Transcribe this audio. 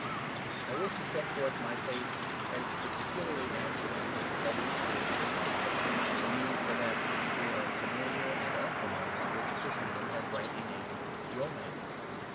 I wish to set forth my faith as particularly answering this double spiritual need, the need for that mixture of the familiar and the unfamiliar which Christendom has rightly named romance.